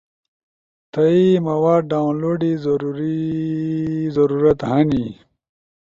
تھئی مواد ڈاونلوڈے ضرورت ہنی؟